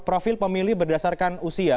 profil pemilih berdasarkan usia